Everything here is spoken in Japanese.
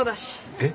えっ？